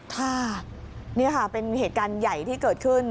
ค่ะนี่ค่ะเป็นเหตุการณ์ใหญ่ที่เกิดขึ้น